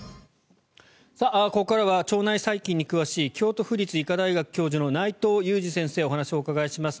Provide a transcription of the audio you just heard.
ここからは腸内細菌に詳しい京都府立医科大学教授の内藤裕二先生にお話をお伺いします。